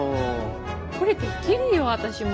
これできるよ私も。